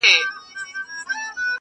یو له بله کړو پوښتني لکه ښار د ماشومانو،